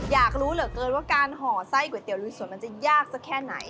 อยากรู้เหลือเกินว่าการห่อไส้ก๋วยเตี๋ยลุยสวนมันจะยากสักแค่ไหน